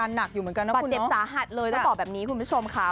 บาดเจ็บสาหัสเลยต้องต่อแบบนี้คุณผู้ชมค่ะ